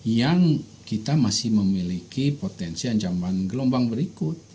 yang kita masih memiliki potensi ancaman gelombang berikut